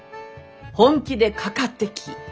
本気でかかってき。